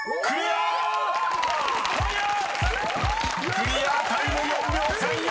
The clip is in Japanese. ［クリアタイム４秒３４！］